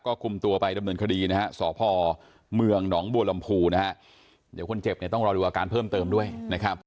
ก็คุมตัวไปดำเนินคดีนะฮะสพเมืองหนองบัวลำพูนะฮะเดี๋ยวคนเจ็บเนี่ยต้องรอดูอาการเพิ่มเติมด้วยนะครับ